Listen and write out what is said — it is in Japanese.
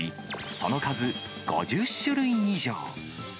その数、５０種類以上。